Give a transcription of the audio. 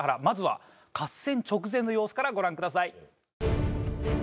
まずは合戦直前の様子からご覧ください。